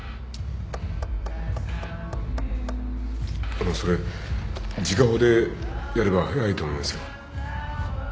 あのそれ時価法でやれば早いと思いますよ